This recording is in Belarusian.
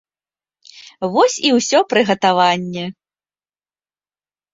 Вось і ўсё прыгатаванне!